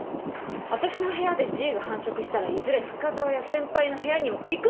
私の部屋でＧが繁殖したらいずれ深澤や先輩の部屋にも行くんですよ。